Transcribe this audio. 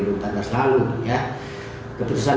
keputusan mahkamah konstitusi